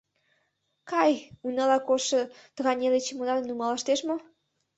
— Кай, унала коштшо тыгай неле чемоданым нумалыштеш мо?